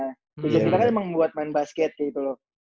tujuan kita kan emang buat main basket gitu loh